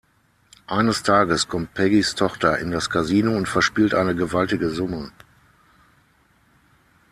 Eines Tages kommt Peggys Tochter in das Kasino und verspielt eine gewaltige Summe.